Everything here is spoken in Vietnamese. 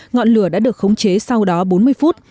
ngọn lửa đã được khống chế sau đó bốn mươi phút